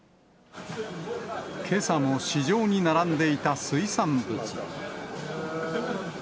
けさも市場に並んでいた水産物。